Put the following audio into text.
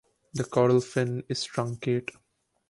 The caudal fin is truncate.